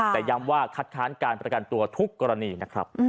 แต่ย้ำว่าคัดค้านการประกันตัวทุกกรณีนะครับ